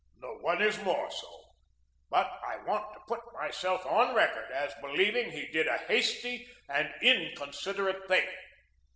No one is more so, but I want to put myself on record as believing he did a hasty and inconsiderate thing.